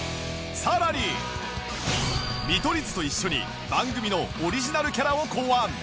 更に見取り図と一緒に番組のオリジナルキャラを考案